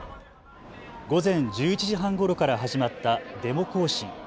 午前１１時半ごろから始まったデモ行進。